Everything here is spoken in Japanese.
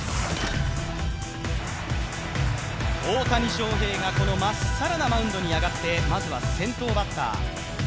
大谷翔平がまっさらなマウンドに上って、まずは先頭バッター。